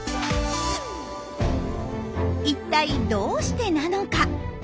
一体どうしてなのか？